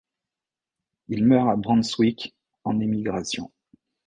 Il meurt à Brunswick, en émigration.